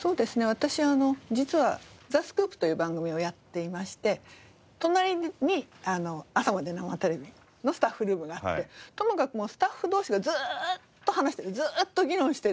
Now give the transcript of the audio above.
私実は『ザ・スクープ』という番組をやっていまして隣に『朝まで生テレビ！』のスタッフルームがあってともかくスタッフ同士がずーっと話してるずーっと議論している。